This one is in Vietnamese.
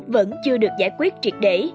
vẫn chưa được giải quyết triệt để